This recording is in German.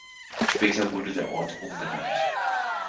Später wurde der Ort umbenannt.